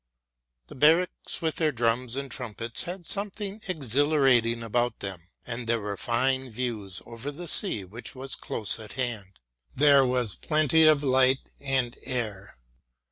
The barracks with their drums and trumpets had something exhilarating about them, and there were fine views over the sea which was close at hand. There was plenty of light and air.